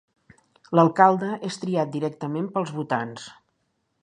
L'alcalde és triat directament pels votants.